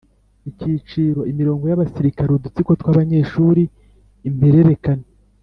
Icyiciro Imirongo y abasilikare udutsiko tw abanyeshuri impererekane